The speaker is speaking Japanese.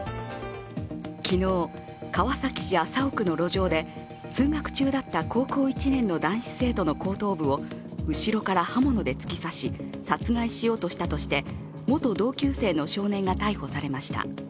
昨日、川崎市麻生区の路上で通学中だった高校１年の男子生徒の後頭部を後ろから刃物で突き刺し殺害しようとしたとして元同級生の少年が逮捕されました。